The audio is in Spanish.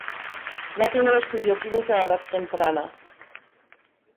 Latimer estudió química a edad temprana.